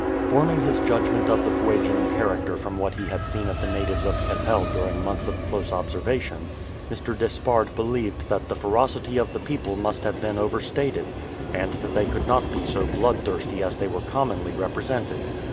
Forming his judgment of the Fuegian character from what he had seen of the natives at Keppel during months of close observation, Mr. Despard believed that the ferocity of the people must have been overstated, and that they could not be so bloodthirsty as they were commonly represented.